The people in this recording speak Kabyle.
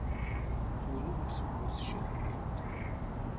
Turew-d tmurt ciḥbuḍ.